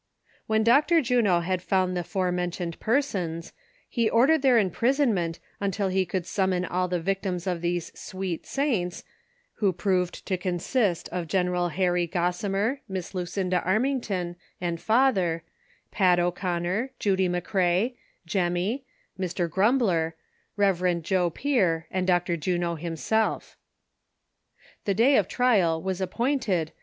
When Dr. Juno had found the forenamed persons, he ordered their imprisonment until he could summon all the victims of these sweet saints (V), who proved to consist of General Harry Gossimer, Miss Lucinda Armington and father, Pat O 'Conner, Judy McCrea, Jemmy, Mr. Grumb ler, Rev. Joe Pier and Dr. Juno himself. The day of trial was appointed.